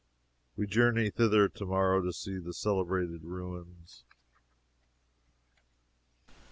We journey thither tomorrow to see the celebrated ruins.